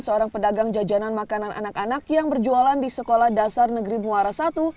seorang pedagang jajanan makanan anak anak yang berjualan di sekolah dasar negeri muara i